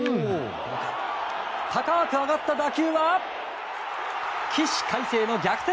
高く上がった打球は起死回生の逆転